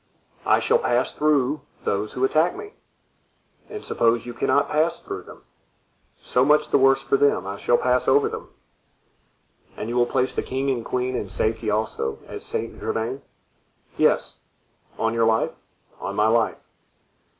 "I shall pass through those who attack me." "And suppose you cannot pass through them?" "So much the worse for them; I shall pass over them." "And you will place the king and queen in safety also, at Saint Germain?" "Yes." "On your life?" "On my life."